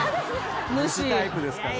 主タイプですから。